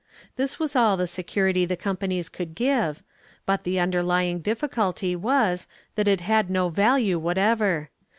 This was all the security the companies could give, but the underlying difficulty was that it had no value whatever.